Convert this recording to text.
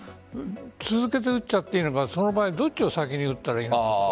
続けて打っちゃっていいのかその場合、どっちを先に打ったらいいのか。